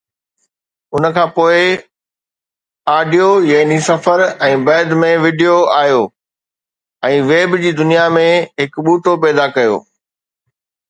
ان کان پوءِ آڊيو يعني سفر ۽ بعد ۾ وڊيو آيو ۽ ويب جي دنيا ۾ هڪ ٻوٽو پيدا ڪيو